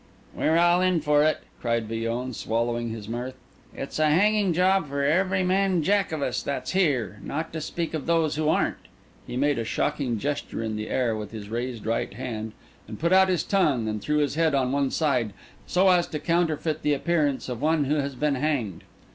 "We're all in for it," cried Villon, swallowing his mirth. "It's a hanging job for every man jack of us that's here—not to speak of those who aren't." He made a shocking gesture in the air with his raised right hand, and put out his tongue and threw his head on one side, so as to counterfeit the appearance of one who has been hanged.